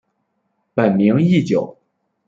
本名义久。